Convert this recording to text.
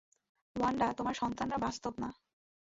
Wanda, তোমার সন্তানরা বাস্তব না।